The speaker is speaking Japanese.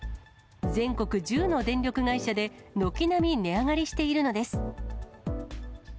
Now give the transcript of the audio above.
全国１０の電力会社で、軒並み値上がりしているのです。